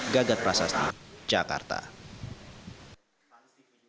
dan keuntungannya bakal digunakan untuk dukungan kas operasional